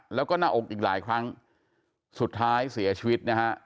แล้วก็หน้าอกอีกหลายครั้งสุดท้ายเสียชีวิตนะฮะ